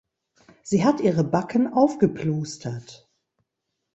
Sie hat ihre Backen aufgeplustert.